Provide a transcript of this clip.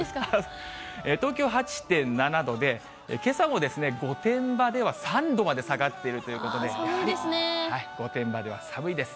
東京８．７度で、けさも御殿場では３度まで下がっているということで、やはり御殿場では寒いです。